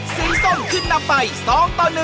สีส้มขึ้นลำไฟ๒๑แต่